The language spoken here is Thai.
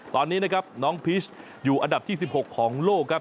ตอนนี้นะครับน้องพีชอยู่อันดับที่๑๖ของโลกครับ